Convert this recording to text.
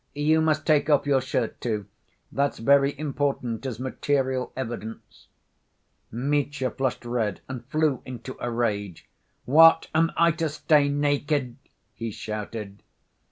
"You must take off your shirt, too. That's very important as material evidence." Mitya flushed red and flew into a rage. "What, am I to stay naked?" he shouted.